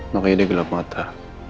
makanya dia gelap mata